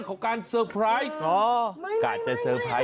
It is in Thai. แต่ขอแต่งงานแหล่ะ